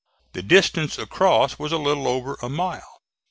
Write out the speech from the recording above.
The distance across was a little over a mile.